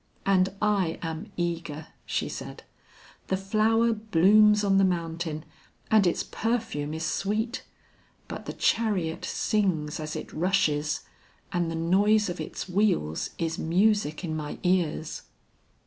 And I am eager," she said. "The flower blooms on the mountain, and its perfume is sweet, but the chariot sings as it rushes, and the noise of its wheels is music in my ears."